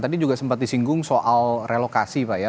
tadi juga sempat disinggung soal relokasi pak ya